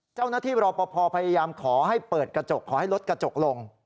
เจ้าหน้าที่รอปภพยายามขอให้เปิดกระจกขอให้ลดกระจกลง